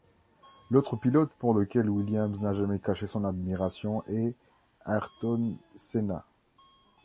L'autre pilote pour lequel Williams n'a jamais caché son admiration est Ayrton Senna.